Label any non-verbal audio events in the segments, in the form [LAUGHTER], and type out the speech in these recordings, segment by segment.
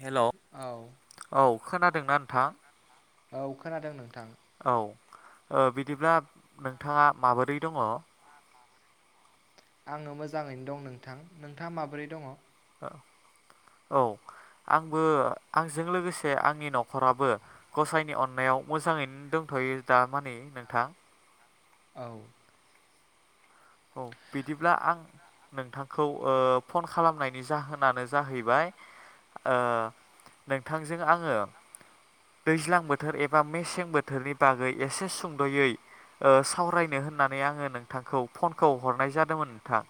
हेल' औ खोनादों ना नोंथां? औ खोनादों नोंथां। औ ओ बिदिब्ला नोंथाङा माबोरै दङ। आङो मोजाङैनो दं नोंथां। नोंथाङा माबोरै दङ? औ। आंबो आंजों लोगोसे आंनि न'खराबो गसाइनि अननायाव मोजाङैनो दं थ'यो दा मानि नोंथां। औ। औ बिदिब्ला आं नोंथांखौ ओ फन खालामनायनि जाहोनानो जाहैबाय ओ नोंथांजों आङो। दैज्लां बोथोर एबा मेसें बोथोरनि बागै एसे सुंद'यै। ओ सावरायनो होननानै आङो नोंथांखौ फनखौ हरनाय जादोंमोन नोंथां।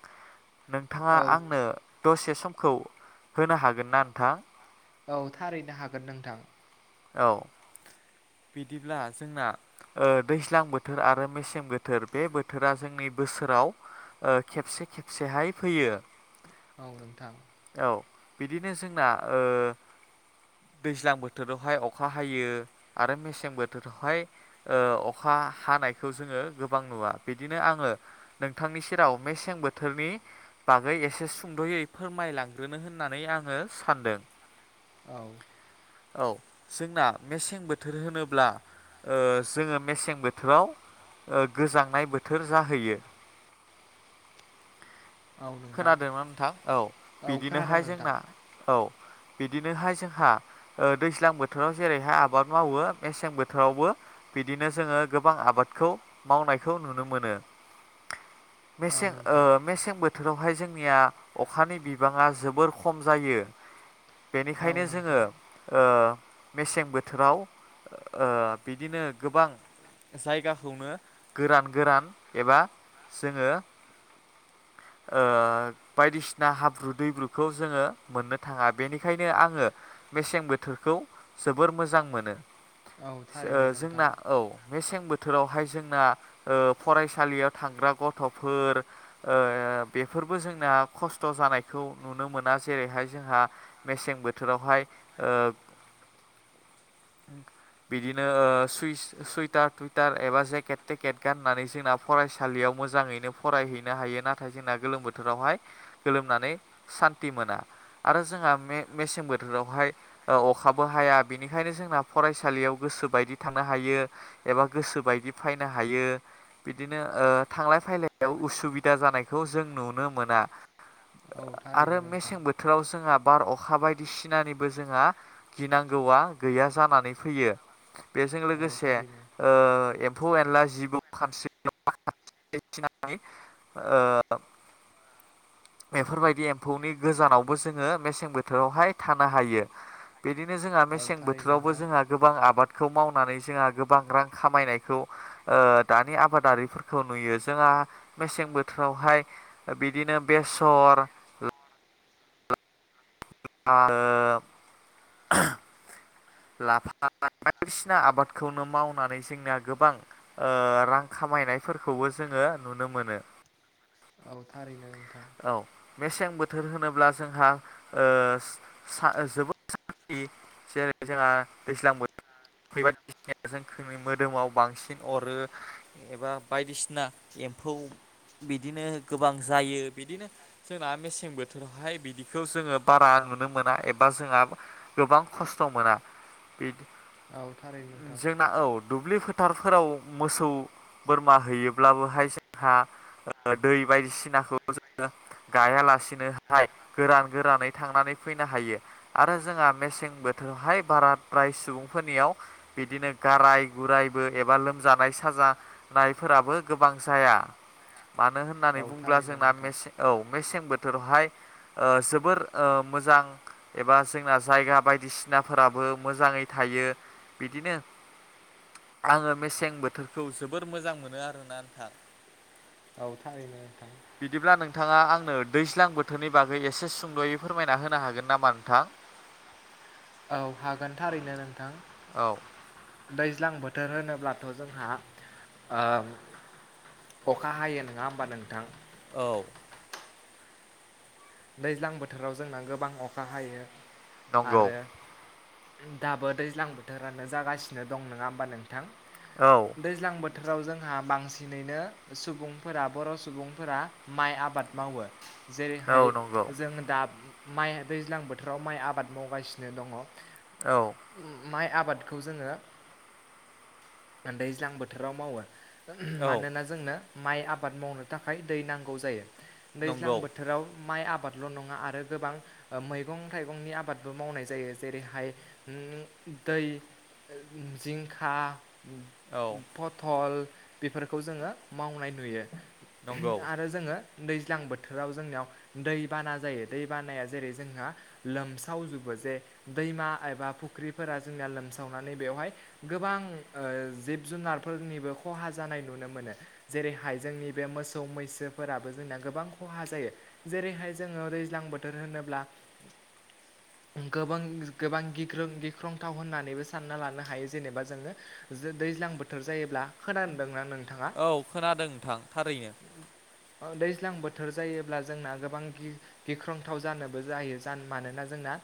नोंथाङा औ आंनो दसे समखौ होनो हागोन ना नोंथां? औ थारैनो हागोन नोंथां। औ। बिदिब्ला जोंना ओ दैज्लां बोथोर आरो मेसें बोथोर बे बोथोरा जोंनि बोसोराव ओ खेबसे खेबसेहाय फैयो। औ नोंथां। औ बिदिनो जोंना ओ दैज्लां बोथोरावहाय अखा हायो आरो मेसें बोथोरावहाय ओ अखा हा-हानायखौ जोङो गोबां नुवा बिदिनो आङो नोंथांनि सेराव मेसें बोथोरनि। बागै एसे सुंदयै फोरमायलांग्रोनो होननानै आङो सानदों। औ। औ जोंना मेसें बोथोर होनोब्ला। ओ जोङो मेसें बोथोराव ओ गोजांनाय बोथोर जाहैयो। औ नोंथां खोनादोंना नोंथां औ खोनादों बिदिनोहाय नोंथां जोंना औ। बिदिनोहाय जोंहा ओ दैज्लां बोथोराव जेरैहाय आबाद मावो मेसें बोथोरावबो बिदिनो जोङो गोबां आबादखौ मावनायखौ नुनो मोनो। औ मेसें ओ नोंथां मेसें बो थोरावहाय जोंनिया अखानि बिबाङा जोबोर खम जायो। औ बेनिखायनो जोङो नोंथां ओ मेसें बोथोराव ओ बिदिनो गोबां जायगाखौनो गोरान गोरान एबा जोङो ओ बायदिसिना हाब्रु दैब्रुखौ जोङो मोननो थाङा बेनिखायनो आङो। मेसें बोथोरखौ जोबोर मोजां मोनो औ ओ थारैनो नोंथां जोंना औ मेसें बोथोरावहाय जोंना ओ फरायसालियाव थांग्रा गथ'फोर ओ बेफोरबो जोंना खस्थ जानायखौ नुनो मोना जेरैहाय जोंहा मेसें बोथोरावहाय ओ बिदिनो सुइस सुइटार थुइटार एबा जेकेट थेकेट गाननानै जोंना फरायसालियाव मोजाङैनो फरायहैनो हायो नाथाय जोंना गोलोम बोथोरावहाय गोलोमनानै सान्थि मोना आरो जोंहा मे-मेसें बोथोरावहाय अखाबो हाया बेनिखायनो जोंना फरायसालियाव गोसोबायदि थांनो हायो एबा गो सो बायदि फैनो हायो बिदिनो ओ थांलाय फैलायाव उसुबिदा जानायखौ जों नुनो मोना औ थारैनो आरो नोंथां मेसें बोथोराव जोंहा बार अखा बायदिसिनानिबो जोंहा गिनांगौआ गैया जानानै फैयो। बेजों औ लोगोसे थारैनो ओ ए म्फौ एनला जिबौ खानस्रि [UNINTELLIGIBLE] ओ बेफोरबायदि एम्फौनि गोजानावबो जोङो मेसें बोथोरावहाय थानो हायो। बिदिनो जोंहा औ मेसें थारैनो बोथोरावबो नोंथां जोंहा गोबां आबादखौ मावनानै जोंहा गोबां रां खामायनाय खौ ओ दानि आबादारिफोरखौ नुयो जोंहा मेसें बोथोरावहाय बिदिनो बेसर लाफा ओ लाफा बायदिसिना आबादखौनो मावनानै जोंनिया गोबां ओ रां खामायनायफोरखौबो जोङो नुनो मोनो। औ थारैनो नोंथां औ मेसें बोथोर होनोब्ला जोंहा ओ सा जोबोद दैज्लां बोथो [UNINTELLIGIBLE] बायदिसिना जों मोदोमाव बांसिन अरो एबा बायदिसिना एम्फौ बिदिनो गोबां जायो। बिदिनो जोंना मेसें बोथोरावहाय बिदिखौ जोङो बारा नुनो मोना एबा जोंहा गोबां खस्थ मोना बि औ थारैनो नोंथां जोंना औ दुब्लिफोर फोथारफोराव मोसौ बोरमा हैयोब्लाबो जोंहा दै बायदिसिनाखौ गायालासिनोहाय गोरान गोरानै थांनानै फैनो हायो आरो जोंहा मेसें बोथोरावहाय बाराद्राय सुबुंफोरनियाव बिदिनो गाराय गुरायबो एबा लोमजानाय साजानायफोराबो गोबां जाया। मानो औ होननानै बुंङोब्ला थारैनो जोंना नोंथां मेसें औ मेसें बोथोरावहाय जोबोर ओ मोजां एबा जोंना जायगा बायदिसिनाफोराबो मोजाङै था यो बिदिनो आङो मेसें बोथोरखौ जोबोर मोजां मोनो आरोना नोंथां। औ थारैनो नोंथां बिदिब्ला नोंथाङा आंनो दैज्लां बोथोरनि बागै एसे सुंद'यै फोरमायना होनो हागोन नामा नोंथां? [INAUDIBLE] औ हागोन थारैनो नोंथां औ दैज्लां बोथोर होनो ब्लाथ' जोंहा अखा हायो नङा होमबा नोंथां। औ। दैज्लां बोथोराव जोंना गोबां अखा हायो नंगौ आरो दाबो दैज्लां बोथोरानो जागासिनो दं। नोङा होमबा नोंथां? औ दैज्लां बो थोराव जोंहा बांसिनैनो सुबुंफोरा बर' सुबुंफोरा माइ आबाद मावो। औ जेरैहाय नंगौ जों दा माइ दैज्लां बोथोराव माइ आबाद मावगासिनो दङ। औ। माइ आबादखौ जोङो दैज्लां बोथोराव मावो। औ मानोना जोंनो माइ आबाद मावनो थाखाय दै नांगौ जायो। दैज्लां नंगौ बोथोराव माइ आबादल' नङा आरो गोबां मैगं थाइगंनि आबादबो मावनाय जायो। जेरैहाय उम दै जिंखा, औ पथल बेफोरखौ जोङो मावनाय नुयो। नंगौ आरो जोङो दैज्लां बोथोराव जोंनियाव दै बाना जायो। दै बानाया जेरै जोंहा लोमसावजोबो जे दैमा एबा फुख्रिफो रा जोंना लोमसावनानै बेवहाय गोबां ओ जिब जुनारफोरनिबो खहा जानाय नुनो मोनो। जेरैहाय जोंनि बे मोसौ मैसोफोराबो जोंना गोबां खहा जायो। जेरैहाय जोङो दैज्लां बोथोर होनोब्ला गोबां गोबां गिख्रं-गिख्रंथाव होननानैबो सानना लानो हायो। जेनेबा जोङो दैज्लां बोथोर जायोब्ला खोनानोदोंना नों? औ खोनादों नोंथां थारैनो। अ दैज्लां बोथोर जायोब्ला जोंना गोबां गि-गिख्रंथाव जानोबो जायो। मानोना जोंना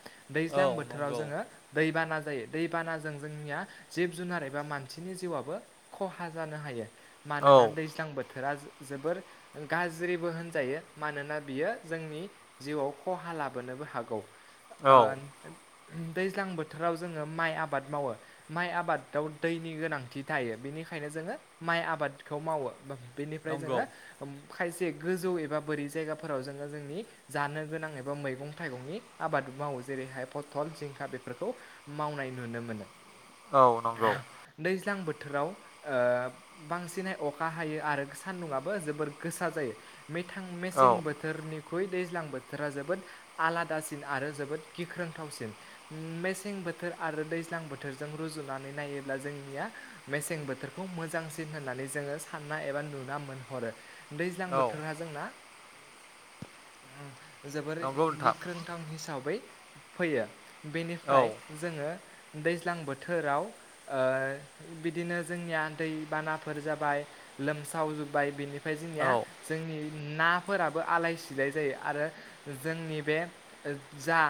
औ दैज्लां बोथोराव नंगौ। जोङो दैबाना जायो। दैबानाजों जोंनिया जिब जुनार एबा मानसिनि जिउआबो खहा जानो हायो। औ मानोना दैज्लां बोथोरा जो-जोबोर गाज्रिबो होनजायो मानोना बियो जोंनि जिउआव खहा लाबोनोबो हागौ। ओ औ दैज्लां बोथोराव जोङो माइ आबाद मावो। माइ आबादाव दैनि गोनांथि थायो बेनि थाखायनो जोङो माइ आबादखौ मावो। बेनिफ्राय नंगौ जोङो खायसे गोजौ एबा बोरै जायगाफोराव जों ओ जोंनि जानो गोनां एबा मैगं थाइगंनि आबाद मावो। जेरैहाय फथल, जिंखा बेफोरखौ मावनाय नुनो मोनो। औ नंगौ। दैज्लां बोथोराव ओ बांसिनहै अखा हायो आरो सान्दुंआबो जोबोर गोसा जायो। मिथां औ मेसें बोथो ख्रुइ दैज्लां बोथोरा जोबोद आलादासिन आरो जोबोद गिख्रोंथावसिन। मेसें बोथोर आरो दैज्लां बोथोरजों रुजुनानै नायोब्ला जोंनिया मेसें बोथोरखौ मोजांसिन होन नानै जोङो सानना एबा नुना मोनहरो। दैज्लां औ बोथोरा जोंना जोबोर नंगौ नोंथां गिख्रंथाव हिसाबै फैयो। औ बेनिफ्राय जोङो दैज्लां बोथोराव ओ बिदिनो जोंनिया दैबानाफोर जाबाय लोमसावजोब्बाय बेनिफ्राय औ जोंनिया जोंनि नाफोरा बो आलाय सिलाय जायो। आरो जोंनि बे जा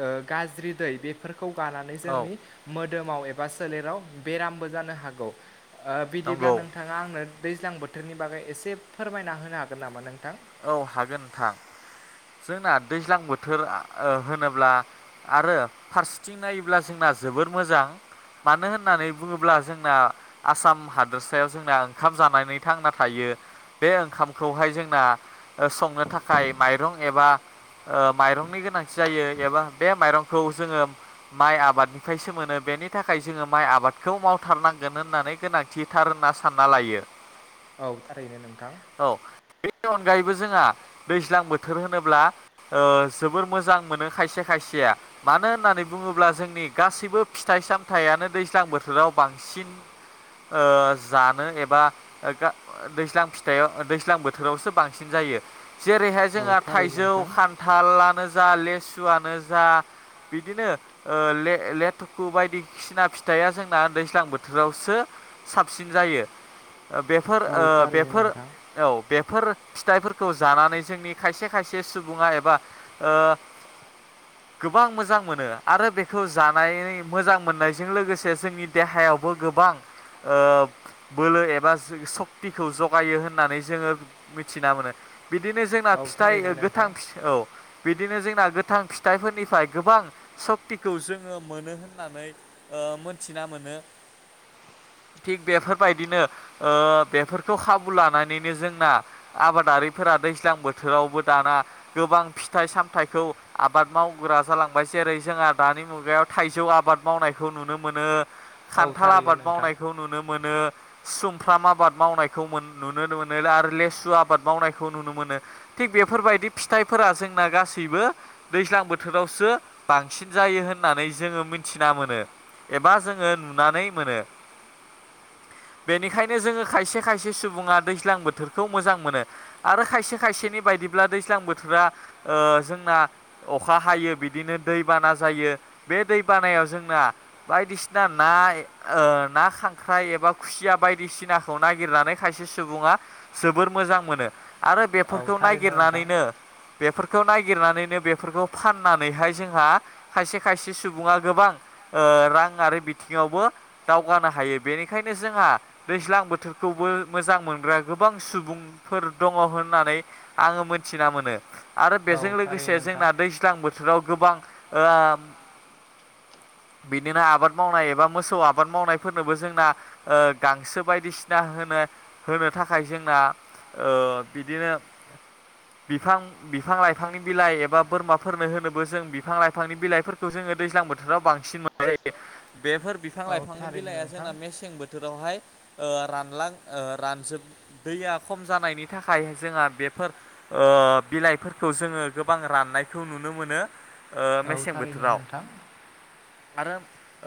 ओ गाज्रि दै बेफोर खौ गानानै औ जोंनि मोदोमाव एबा सोलेराव बेरामबो जानो हागौ। ओ बिदिब्ला नंगौ नोंथाङा आंनो दैज्लां बोथोरनि बागै एसे फोरमायना होनो हागोन नामा नोंथां? औ हागोन नोंथां। जोंना दैज्लां बोथोर ओ होनोब्ला आरो फारसेथिं नायोब्ला जोंना जोबोर मोजां। मानो होननानै बुङोब्ला जोंना आसाम हादोरसायाव जोंना ओंखाम जानानै थांना थायो। बे ओंखामखौहाय जोंना ओ संनो थाखाय माइरं एबा ओ माइरंनि गोनांथि जायो एबा बे माइरंखौ जोङो माइ आबादनिफ्रायसो मोनो बेनि थाखाय जोङो माइ आबादखौ मावथारनांगोन होननानै गोनांथिथार होनना सानना लायो। औ थारैनो नोंथां। नि अनगायैबो जोंहा दैज्लां बोथोर होनोब्ला जोबोर मोजां मोनो खायसे खायसे मानो होननानै बुङोब्ला जोंनि गासैबो फिथाइ सामथाइनो दैज्लां बोथोराव बांसिन ओ जानो एबा ओ गा दैज्लां फिथाइयाव दैज्लां बोथोरावसो बांसिन जायो। जेरैहाय औ जोंहा थारैनो थाइजौ नोंथां खान्थालानो ज जा लेसुआनो जा बिदिनो ओ ले लेथुखु बायदिसिना फिथाइया जोंना दैज्लां बोथोरावसो साबसिन जायो। बेफोर औ थारैनो ओबेफोर नोंथां औ बेफोर फिथाइफोरखौ जानानै जोंनि खायसे खायसे सुबुङा एबा ओ गोबां मोजां मोनो आरो बेखौ जानाय मोजां मोननायजों लोगोसे जोंनि देहायावबो गोबां गोबां ओ बोलो एबा जो सक्तिखौ जगायो होननानै जोङो मिथिना मोनो। बिदिनो जोंना औ फिथाइ थारैनो नोंथां गोथां फि औ बिदिनो जोंना गोथां फिथाइफोरनिफ्राय गोबां सक्तिखौ जोङो मोनो होननानै ओ ओ मोनथिना मोनो। थिग बेफोरबायदिनो ओ बेफोरखौ खाबु लानानैनो जोंना आबादारिफोरा दैज्लां बोथोरावबो दाना गोबां फिथाइ सामथाइखौ आबाद मावो। मावगोरा जालांबाय जेरै जोंहा दानि मुगायाव थाइजौ आबाद मावनायखौ नुनो मोनो। औ खान्थाल थारैनो आबाद नोंथां मावनायखौ नुनो। मोनो, सुमफ्राम आबाद मावनायखौ मोन नुनो मोनो आरो लेसु सु आबाद मावनायखौ नुनो मोनो। थिग बेफोरबायदि फिथाइफोरा जोंना गासैबो दैज्लां बोथोर बोथोरावसो बांसिन जायो होननानै जोङो मिथिना मोनो। एबा जोङो नुनानै मोनो। बेनिखायनो जोङो खायसे खायसे सुबुङा दैज्लां बोथोरखौ मोजां मोनो आरो खायसे खायसेनि बायदिब्ला दैज्लां बोथोरा जोंना अखा अखा हायो बिदिनो दै बाना जायो। बे दैबानायाव जोंना बायदिसिना ना ओ ना, खांख्राइ एबा खुसिया बायदिसिनाखौ नागिरनानै खायसे सुबुङा जोबोर मोजां मोनो आरो औ बेफोरखौ थारैनो नोंथां नागिरनानैनो बेफोरखौ नागिरनानैनो बेफोरखौ फाननानैहाय जोंहा खायसे खायसे सुबुङा गोबां ओ राङारि बिथिङावबो दावगानो हायो। बेनिखायनो जोंहा दैज्लां बोथोरखौ बो मोजां मोनग्रा गोबां सुबुंफोर दङ होननानै आङो मोनथिना मोनो। आरो औ बेजों लोगोसे थारैनो नोंथां जोंना दैज्लां बोथोराव गोबां ओ बिदिनो आबाद मावनाय एबा मोसौ आबाद मावनायफोरनोबो जोंना ओ गांसो बायदिसिना होना होनो थाखाय जोंना ओ बिदिनो बिफां--बिफां-लाइफांनि बिलाइ एबा बोरमाफोरनो होनोबो जों बिफां-लाइफांनि बिलाइफोरखौ जों जोङो दैज्लां बोथोराव बांसिन मोननाय जायो। बेफोर औ बिफां-लाइफांनि थारैनो बिलाइआ नोंथां जोंना मेसें बोथोरावहाय ओ रानलां ओ रानजोब दैया खम जानायनि थाखाय जोंहा बेफोर ओ बिलाइफोरखौ जोङो गोबां राननायखौ नुनो मोनो ओ औ मेसें थारैनो बोथोराव नोंथां आरो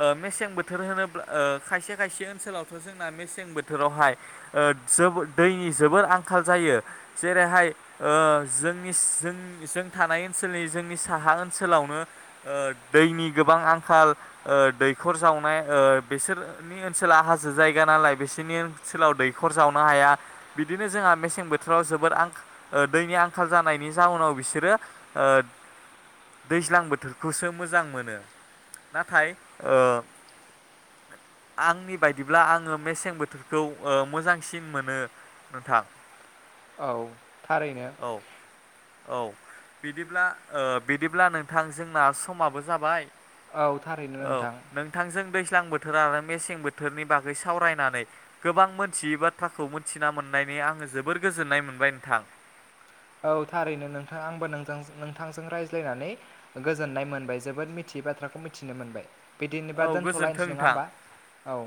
ओ मेसें बोथोर होनोब्ला खायसे-खायसे ओनसोलावथ' जोंना मेसें बोथोरावहाय ओ जोब दैनि जोबोर आंखाल जायो जेरैहाय ओ जोंनि जों-जों थानाय ओनसोलनि जोंनि साहा ओनसोलावनो ओ दैनि गोबां आंखाल ओ दै दैखर जावनाय ओ बिसोरनि ओनसोला हाजो जायगा नालाय बिसोरनि ओनसोलाव दैख खर जावनो हाया बिदिनो जोंहा मेसें बोथोराव जोबोद दैनि आंखाल जानायनि जाउनाव बिसोरो ओ दैज्लां बोथोरखौसो मोजां मोनो नाथाय ओ आंनि बायदिब्ला आङो मेसें बोथोरखौ ओ मोजां सिन मोनो नोंथां। औ थारैनो। औ औ बिदिब्ला ओ बिदिब्ला नोंथां जोंना समाबो जाबाय। औ थारैनो औ नोंथां नोंथांजों बै दैज्लां बोथोर आरो मेसें बोथोरनि बागै सावरायनानै गोबां मोनथियोबा बाथ्राखौ मोनथिना मोननायनै आङो जोबोर गोजोननाय मोनबाय नोंथां। औ थारैनो नोंथां आंबो नोंजों नोंथांजों रायज्लायनानै गोजोननाय मोनबाय जोबोद मिथि यै बाथ्राखौ मिथिनो मोनबाय। औ बिदिनोबा गोजोन्थों दोनथ'लायनोसै नङा नोंथां होमबा! औ